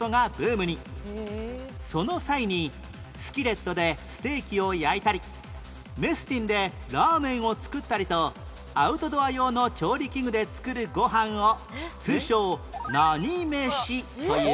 その際にスキレットでステーキを焼いたりメスティンでラーメンを作ったりとアウトドア用の調理器具で作るご飯を通称何飯という？